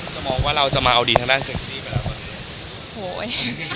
จะมองว่าเราจะมาเอาดีทางด้านเซ็กซี่กันหรือเปล่า